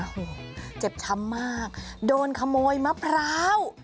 โอ้โหเจ็บช้ำมากโดนขโมยมะพร้าว